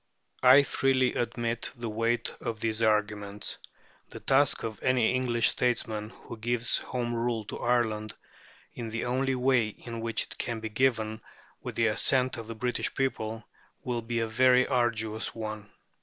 I freely admit the weight of these arguments. The task of any English statesman who gives Home Rule to Ireland in the only way in which it can be given with the assent of the British people will be a very arduous one.